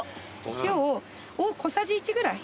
塩を小さじ１ぐらい。